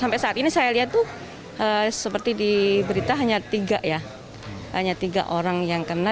sampai saat ini saya lihat seperti diberita hanya tiga orang yang kena